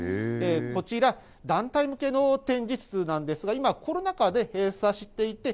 こちら、団体向けの展示室なんですが、今、コロナ禍で、閉鎖していて、